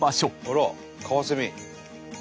あらカワセミ。